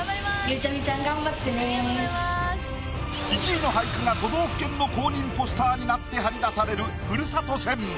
１位の俳句が都道府県の公認ポスターになって貼り出されるふるさと戦。